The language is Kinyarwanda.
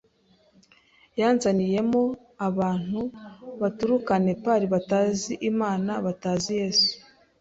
yanzaniyemo abantu baturuka Nepal batazi Imana batazi Yesu